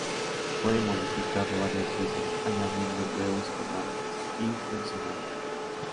Fue modificado varias veces, añadiendo nuevos comandos y funcionalidades.